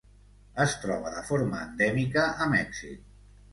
Es troba de forma endèmica a Mèxic.